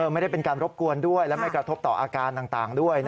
ไม่ได้เป็นการรบกวนด้วยและไม่กระทบต่ออาการต่างด้วย